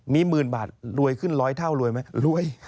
มีหมื่นบาทรวยขึ้นร้อยเท่ารวยไหมรวย